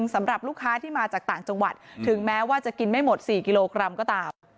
สำหรับลูกค้าที่มาจากต่างจังหวัดถึงแม้ว่าจะกินไม่หมด๔กิโลกรัมก็ตาม